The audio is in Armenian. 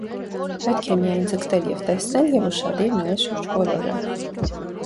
Պետք է միայն ձգտել և տեսնել և ուշադիր նայել շուրջբոլորը։